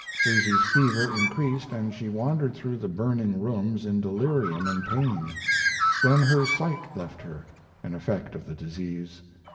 Susy's fever increased and she wandered through the burning rooms in delirium and pain; then her sight left her, an effect of the disease.